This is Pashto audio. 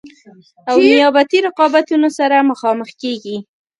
او نیابتي رقابتونو سره مخامخ کیږي.